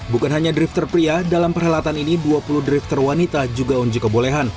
bukan hanya drifter pria dalam perhelatan ini dua puluh drifter wanita juga unjuk kebolehan